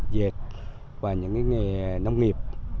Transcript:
dệt và những cái nghề nông nghiệp